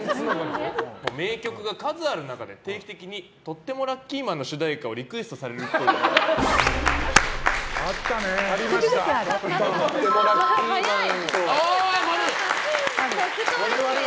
名曲が数ある中で定期的に「とってもラッキーマン」の主題歌をリクエストされることが時々ある。